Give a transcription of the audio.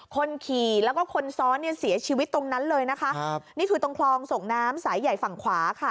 คนขี่แล้วก็คนซ้อนเนี่ยเสียชีวิตตรงนั้นเลยนะคะครับนี่คือตรงคลองส่งน้ำสายใหญ่ฝั่งขวาค่ะ